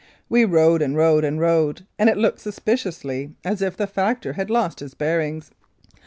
We rode and rode and rode, and it looked suspiciously as if the factor 18 1884. Regina had lost his bearings.